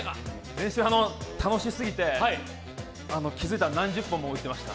練習、楽しすぎて気づいたら何十本も打ってました。